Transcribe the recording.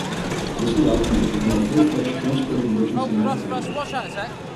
This allowed them to become a full-fledged, transporting emergency medical unit.